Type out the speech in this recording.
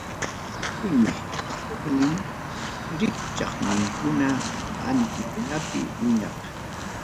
Kaymi huknin rikchaqninkuna Antikunapi wiñaq.